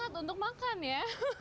semangat untuk makan ya